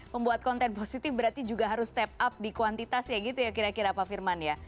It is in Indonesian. membuat konten positif berarti juga harus step up di kuantitas ya gitu ya kira kira pak firman ya